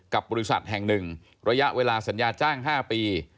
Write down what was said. กับบริษัทแห่งหนึ่งระยะเวลาสัญญาจ้าง๕ปี